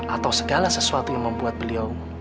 atau segala sesuatu yang membuat beliau